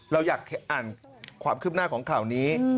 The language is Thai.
เราอยากอ่านความคืบหน้าของข่าวนี้